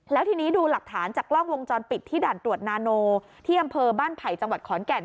แล้วทีนี้ดูหลักฐานจากกล้องวงจรปิดที่ด่านตรวจนาโนที่อำเภอบ้านไผ่จังหวัดขอนแก่น